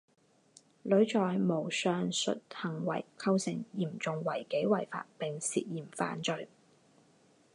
吕在模上述行为构成严重违纪违法并涉嫌犯罪。